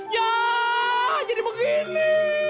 ya jadi begini